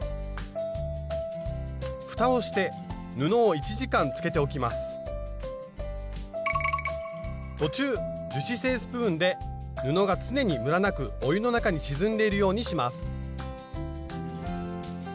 ふたをして布を途中樹脂製スプーンで布が常にムラなくお湯の中に沈んでいるようにします。